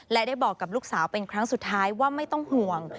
และได้บอกกับลูกสาวเป็นครั้งสุดท้ายว่าไม่ต้องห่วง